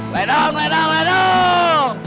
ledang ledang ledang